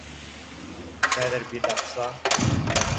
Хәҙер бит аҡса